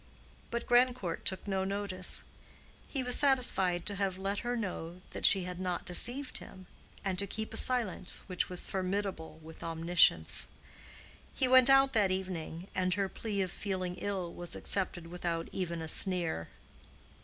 But Grandcourt took no notice: he was satisfied to have let her know that she had not deceived him, and to keep a silence which was formidable with omniscience. He went out that evening, and her plea of feeling ill was accepted without even a sneer.